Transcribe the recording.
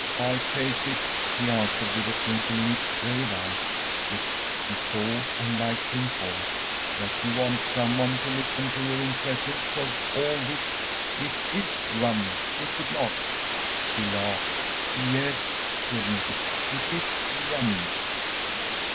“I take it,‚ÄĚ he answered, with a twinkle in his grave eyes, which she saw, and liked him for, “that you want some one to listen to your impressions of all this. It IS rum, is it not?‚ÄĚ She laughed. ‚ÄúYes,‚ÄĚ she admitted, “it is RUM.